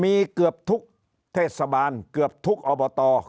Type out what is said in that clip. มีเฉพาะทุกทศพรรณรัฐบาลปรับทุกคุณภาคและทัศนา